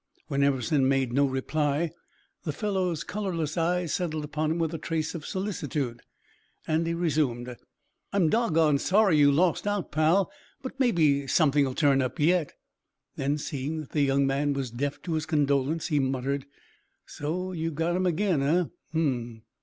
When Emerson made no reply, the fellow's colorless eyes settled upon him with a trace of solicitude, and he resumed: "I'm doggone sorry you lost out, pal, but mebbe something'll turn up yet." Then, seeing that the young man was deaf to his condolence, he muttered: "So, you've got 'em again, eh? Um!"